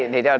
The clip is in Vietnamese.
thì tôi mới